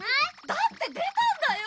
だって出たんだよ！